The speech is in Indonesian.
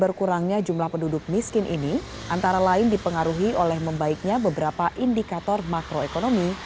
berkurangnya jumlah penduduk miskin ini antara lain dipengaruhi oleh membaiknya beberapa indikator makroekonomi